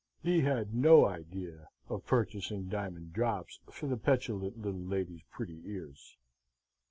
He had no idea of purchasing diamond drops for the petulant little lady's pretty ears.